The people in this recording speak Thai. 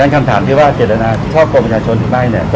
คำถามที่ว่าเจดตนาที่ช่องกลบประชาชนกลับไปได้